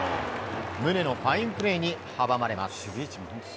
宗のファインプレーに阻まれます。